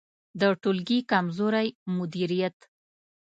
د ټولګي کمزوری مدیریت